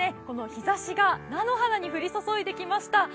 この日ざしが菜の花に降り注いできました。